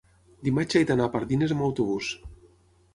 dimarts he d'anar a Pardines amb autobús.